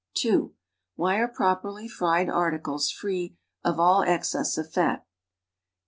(i) Why are properly fried artieles tree of all exeess of fat?